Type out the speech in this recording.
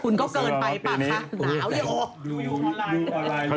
คุณก็เกินไปปากค่ะ